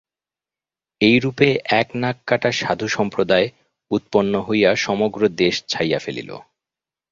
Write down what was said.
এইরূপে এক নাক কাটা সাধু-সম্প্রদায় উৎপন্ন হইয়া সমগ্র দেশ ছাইয়া ফেলিল।